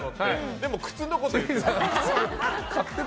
でも靴のこと言ってた。